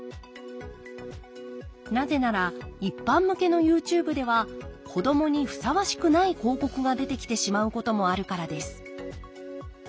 なぜなら一般向けのＹｏｕＴｕｂｅでは子どもにふさわしくない広告が出てきてしまうこともあるからです。